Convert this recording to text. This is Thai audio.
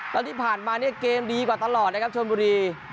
แล้วที่ผ่านมาเนี่ยเกมดีกว่าตลอดนะครับชนบุรี